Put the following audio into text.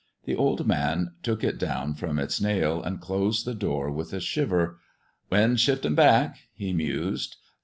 The old man took it down from its nail, and closed the door with a shiver. "Wind's shiftin' back," he mused.